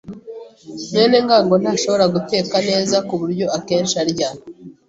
mwene ngango ntashobora guteka neza kuburyo akenshi arya.